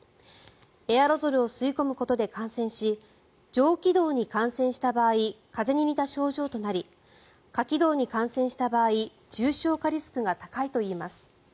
エアロゾルを吸い込むことで感染し上気道に感染した場合風邪に似た症状となり下気道に感染した場合重症化リスクが高いといいます。